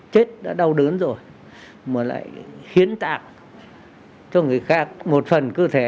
chết đã đau đớn rồi mà lại hiến tạng cho người khác một phần cơ thể